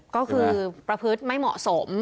ก็คือประพฤติไม่เหมาะสม